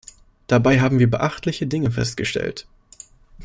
Dabei haben wir beachtliche Dinge festgestellt.